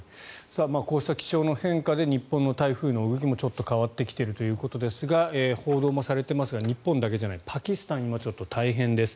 こういった気象の変化で日本の台風の動きもちょっと変わってきているということですが報道されていますが日本だけじゃなくパキスタンが大変です。